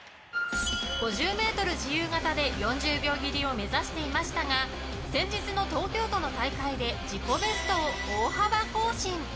５０ｍ自由形で４０秒切りを目指していましたが先日の東京都の大会で自己ベストを大幅更新！